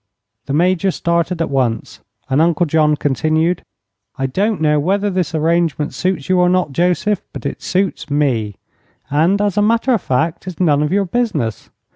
The Major started at once, and Uncle John continued: "I don't know whether this arrangement suits you or not, Joseph, but it suits me; and, as a matter of fact, it's none of your business.